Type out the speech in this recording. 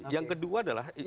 yang kedua adalah